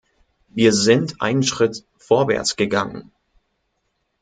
Wir sind einen Schritt vorwärts gegangen.